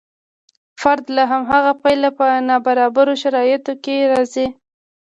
فرد له هماغه پیله په نابرابرو شرایطو کې راځي.